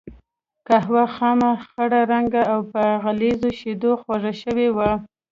قهوه خامه، خړ رنګه او په غليظو شیدو خوږه شوې وه.